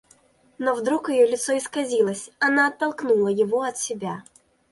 Но вдруг лицо ее исказилось, она оттолкнула его от себя.